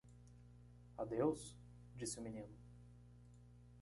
"Adeus?" disse o menino.